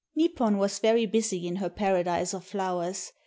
Nipon was very busy in her paradise of flowers.